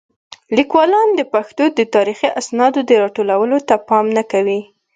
لیکوالان د پښتو د تاریخي اسنادو د راټولولو ته پام نه کوي.